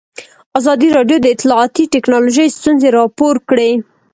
ازادي راډیو د اطلاعاتی تکنالوژي ستونزې راپور کړي.